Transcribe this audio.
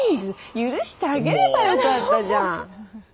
許してあげればよかったじゃん。